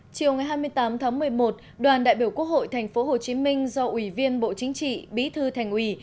chiều ngày hai mươi tám tháng một mươi một đoàn đại biểu quốc hội tp hcm do ủy viên bộ chính trị bí thư thành ủy